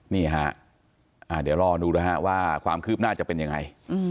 นี่ฮะเดี๋ยวรอดูนะฮะว่าความคืบหน้าจะเป็นยังไง